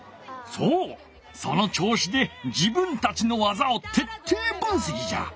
そうそのちょうしで自分たちの技をてってい分せきじゃ！